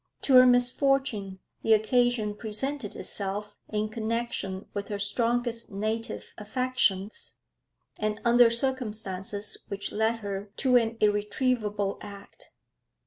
To her misfortune the occasion presented itself in connection with her strongest native affections, and under circumstances which led her to an irretrievable act.